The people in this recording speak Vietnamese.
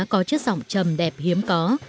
có chất giọng trầm đẹp hiếm có